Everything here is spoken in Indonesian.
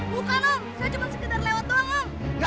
bukan om saya cuma sekedar lewat doang om